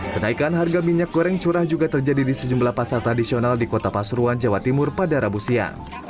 kenaikan harga minyak goreng curah juga terjadi di sejumlah pasar tradisional di kota pasuruan jawa timur pada rabu siang